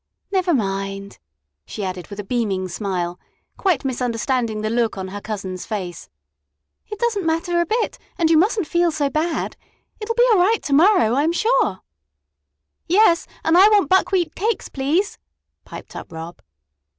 Never mind," she added with a beaming smile, quite misunderstanding the look on her cousin's face, "it does n't matter a bit and you must n't feel so bad. It 'll be all right to morrow, I'm sure." "Yes, and I want buckwheat cakes, please," piped up Rob.